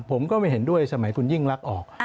ผมก็ไม่เห็นด้วยสมัยคุณยิ่งลักษณ์ออก